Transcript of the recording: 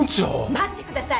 待ってください！